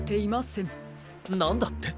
なんだって？